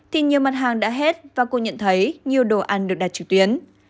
thì nhiều mặt hàng đã hết và cô nhận thấy nhiều đồ ăn được đặt trực tuyến